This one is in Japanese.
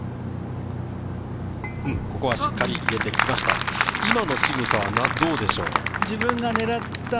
ここはしっかり入れてきました。